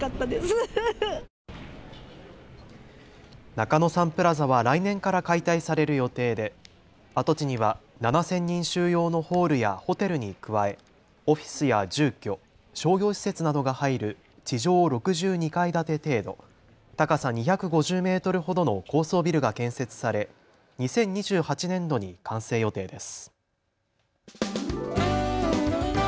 中野サンプラザは来年から解体される予定で跡地には７０００人収容のホールやホテルに加えオフィスや住居、商業施設などが入る地上６２階建て程度、高さ２５０メートルほどの高層ビルが建設され２０２８年度に完成予定です。